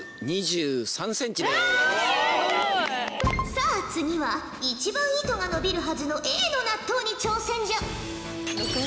さあ次は一番糸が伸びるはずのＡの納豆に挑戦じゃ！